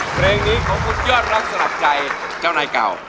เพลงนี้ของคุณยอดรักสลับใจเจ้านายเก่า